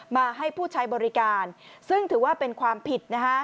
มาให้ผู้ใช้บริการซึ่งถือว่าเป็นความผิด